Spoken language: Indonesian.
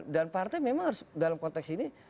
dan partai memang harus dalam konteks ini